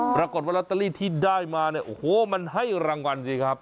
ปรากฏว่าลอตเตอรี่ที่ได้มาเนี่ยโอ้โหมันให้รางวัลสิครับ